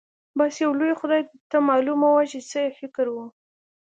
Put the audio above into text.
بس يو لوی خدای ته معلومه وه چې څه يې فکر و.